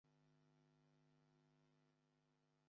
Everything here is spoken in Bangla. একজন নারীর আত্মা।